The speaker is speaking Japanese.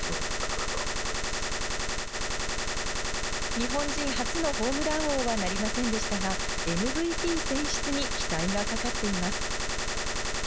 日本人初のホームラン王はなりませんでしたが、ＭＶＰ選出に期待がかかっています。